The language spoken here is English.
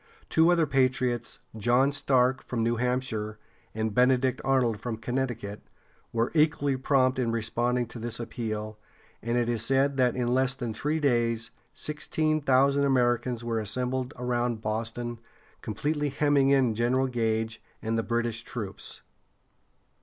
Two other patriots, John Stark from New Hampshire, and Benedict Arnold from Connecticut, were equally prompt in responding to this appeal, and it is said that in less than three days, sixteen thousand Americans were assembled around Boston, completely hemming in General Gage and the British troops.